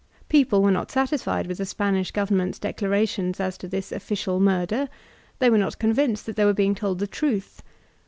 People were not satbfied with the Spanish government's declarations as to thb official murder; they were not convinced that they were being told the truth.